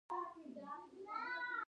شپږ شپیتم سوال د ادارې اساسي اصول دي.